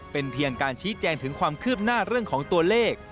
เป็นเพียงการชี้แจงถึงความคืบหน้าเรื่องของตัวเลข